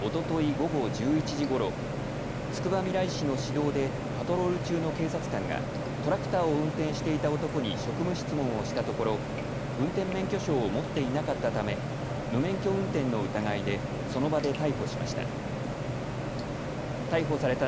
午後１１時ごろつくばみらい市の市道でパトロール中の警察官がトラクターを運転していた男に職務質問をしたところ運転免許証を持っていなかったため無免許運転の疑いでその場で逮捕しました。